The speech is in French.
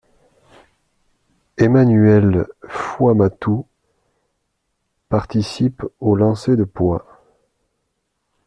Emanuele Fuamatu participe au lancer de poids.